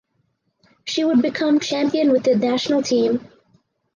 She would become champion with the national team at three consecutive African Championships.